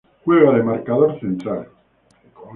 Juega de marcador central.